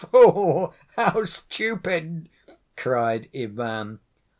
" "Fool, how stupid!" cried Ivan.